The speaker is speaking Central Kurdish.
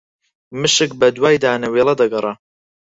مشک بەدوای دانەوێڵە دەگەڕا